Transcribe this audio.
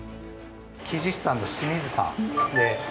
◆木地師さんの清水さん。